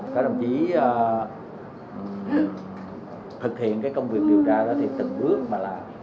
các đồng chí thực hiện công việc điều tra thì từng bước mà làm